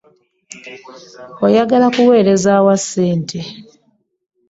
Oyagala kuweereza wa ssente?